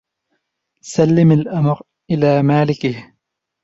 سلم الأمر إلى مالكه